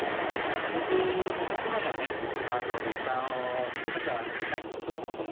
なるべくお客様にはね、ご負担をかけたくはない。